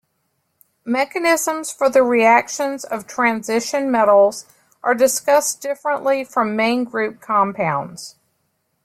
Mechanisms for the reactions of transition metals are discussed differently from main group compounds.